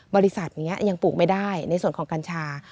บริษัทนี้ยังปลูกไม่ได้ในส่วนของกัญชา